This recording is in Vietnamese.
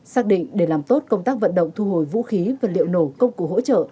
xác định để làm tốt công tác vận động thu hồi vũ khí vật liệu nổ công cụ hỗ trợ